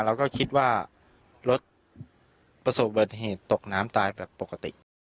เราก็คิดว่ารถประสบบัติเหตุตกน้ำตายแบบปกติ